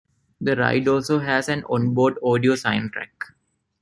The ride also has an on-board audio soundtrack.